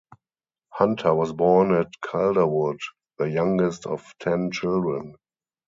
Hunter was born at Calderwood, the youngest of ten children.